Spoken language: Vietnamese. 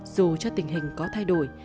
dù cho tình hình có thay đổi